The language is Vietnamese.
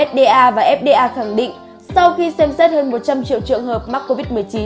fda và fda khẳng định sau khi xem xét hơn một trăm linh triệu trường hợp mắc covid một mươi chín